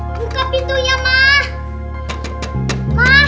buka pintunya emak